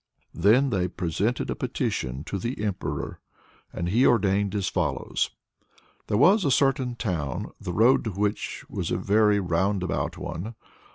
Then they presented a petition to the Emperor, and he ordained as follows. There was a certain town, the road to which was a very roundabout one.